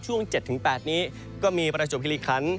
ช่วง๗๘นี้ก็มีประจบคลิกครั้น